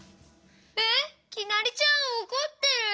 えっきなりちゃんおこってる？